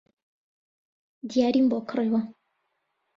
دیاریم بۆ کڕیوە